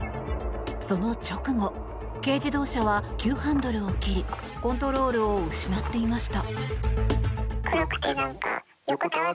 その直後、軽自動車は急ハンドルを切りコントロールを失っていました。